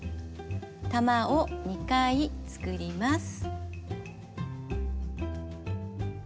玉を２回作ります。